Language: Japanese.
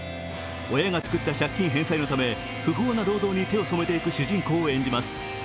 親がつくった借金返済のため、不法な労働に手を染めていく主人公を演じます。